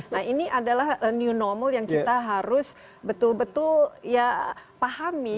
nah ini adalah new normal yang kita harus betul betul ya pahami